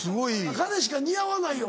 彼しか似合わないよ